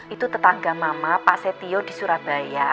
itu tetangga mama pak setio di surabaya